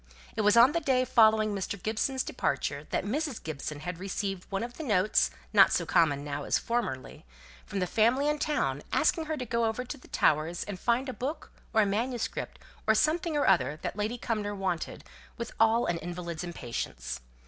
It was on the day following Mr. Gibson's departure that Mrs. Gibson received one of the notes, not so common now as formerly, from the family in town, asking her to go over to the Towers, and find a book, or a manuscript, or something or other that Lady Cumnor wanted with all an invalid's impatience.